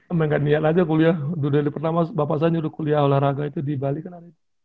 emang nggak niat aja kuliah dulu dari pertama bapak saya nyuruh kuliah olahraga itu di bali kan hari itu